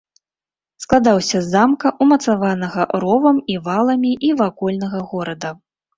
Складаўся з замка, умацаванага ровам і валамі, і вакольнага горада.